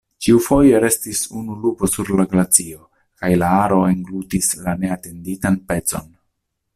Ĉiufoje restis unu lupo sur la glacio kaj la aro englutis la neatenditan pecon.